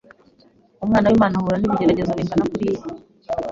Umwana w’Imana ahura n’ibigeragezo bingana kuriya,